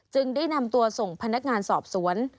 ได้นำตัวส่งพนักงานสอบสวน